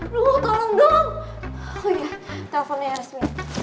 roman tolong man ini gue kepunci di dalam